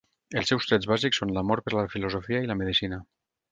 Els seus trets bàsics són l'amor per la filosofia i la medicina.